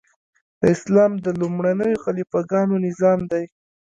د اسلام د لومړنیو خلیفه ګانو نظام دی.